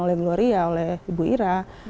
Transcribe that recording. oleh gloria oleh ibu ira